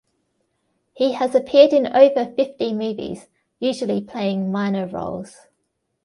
He has appeared in over fifty movies, usually playing minor roles.